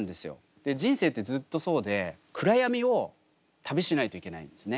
で人生ってずっとそうで暗闇を旅しないといけないんですね。